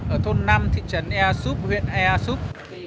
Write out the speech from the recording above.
ở thôn năm thị trấn ea súp huyện ea súp